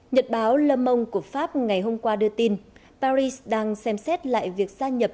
nhật báo le momong của pháp ngày hôm qua đưa tin paris đang xem xét lại việc gia nhập